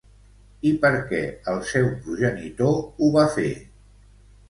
I per què el seu progenitor ho va fer?